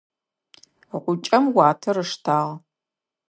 Гъукӏэм уатэр ыштагъ.